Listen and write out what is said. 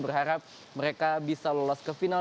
berharap mereka bisa lolos ke final